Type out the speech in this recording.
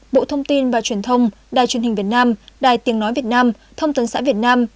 bộ thông tin và truyền thông đài truyền hình việt nam đài tiếng nói việt nam thông tấn xã việt nam